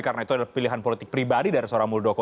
karena itu adalah pilihan politik pribadi dari seorang muldoko